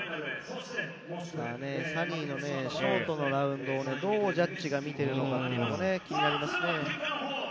Ｓｕｎｎｙのショートラウンドをどうジャッジが見ているのかというのも気になりますね。